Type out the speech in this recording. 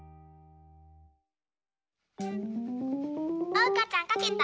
おうかちゃんかけた？